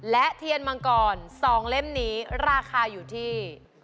และเทียนมังกร๒เล่มนี้ราคาอยู่ที่